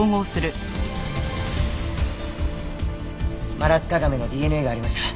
マラッカガメのＤＮＡがありました。